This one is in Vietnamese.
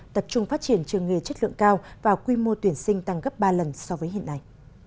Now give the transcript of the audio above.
tập trung phát triển trường nghề chất lượng cao và quy mô tuyển sinh tăng gấp ba lần so với hiện nay